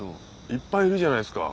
いっぱいいるじゃないですか。